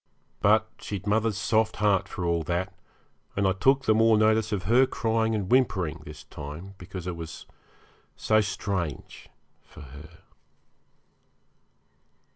But she'd mother's soft heart for all that, and I took the more notice of her crying and whimpering this time because it was so strange for her.